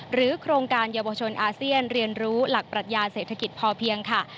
โครงการเยาวชนอาเซียนเรียนรู้หลักปรัชญาเศรษฐกิจพอเพียงค่ะ